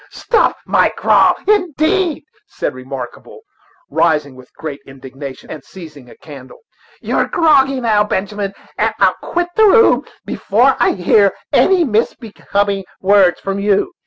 "Stop your grog, indeed!" said Remarkable, rising with great indignation, and seizing a candle; "you're groggy now, Benjamin and I'll quit the room before I hear any misbecoming words from you."